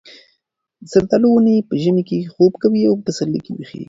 د زردالو ونې په ژمي کې خوب کوي او په پسرلي کې ویښېږي.